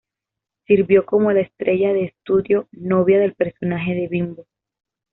Sirvió como la estrella de estudio, "novia" del personaje de Bimbo.